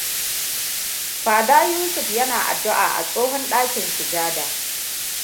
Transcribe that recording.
Father Yusuf yana addu’a a tsohon ɗakin sujada.